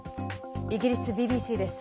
イギリスＢＢＣです。